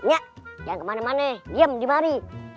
jangan kemana mana diam di mari